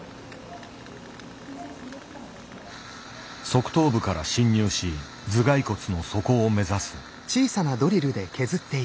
側頭部から侵入し頭蓋骨の底を目指す。